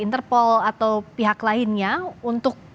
interpol atau pihak lainnya untuk